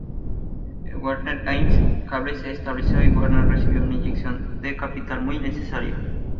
Warner-AmEx Cable se estableció y Warner recibió una inyección de capital muy necesaria.